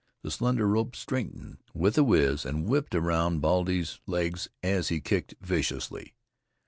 The slender rope straightened with a whiz and whipped round Baldy's legs as he kicked viciously.